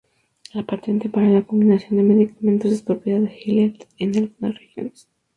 La patente para la combinación de medicamentos es propiedad de Gilead en algunas regiones.